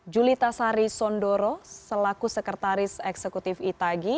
juli tasari sondoro selaku sekretaris eksekutif itagi